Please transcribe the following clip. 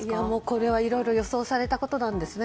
これは、いろいろ予想されたことなんですね。